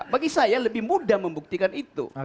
bagi saya lebih mudah membuktikan itu